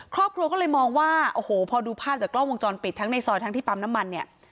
ครอบครัวก็เลยมองว่าโอ้โหพอดูภาพจากกล้องวงจรปิดทั้งในซอยทั้งที่ปั๊มน้ำมันเนี่ย